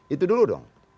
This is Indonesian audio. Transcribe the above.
itu dulu dong